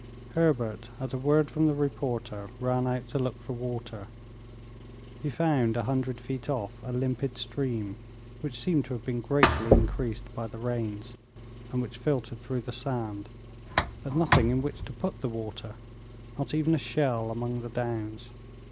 Herbert at a word from the reporter ran out to look for water. He found, a hundred feet off, a limpid stream, which seemed to have been greatly increased by the rains, and which filtered through the sand; but nothing in which to put the water, not even a shell among the downs.